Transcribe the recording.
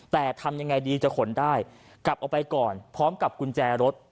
แต่ทำยังไงดีจะขนได้กลับออกไปก่อนพร้อมกับกุญแจรถ